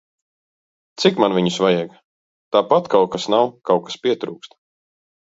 Cik man viņus vajag? Tāpat kaut kas nav, kaut kas pietrūkst.